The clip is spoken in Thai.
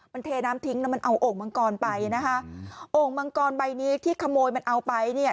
มันเทน้ำทิ้งแล้วมันเอาโอ่งมังกรไปนะคะโอ่งมังกรใบนี้ที่ขโมยมันเอาไปเนี่ย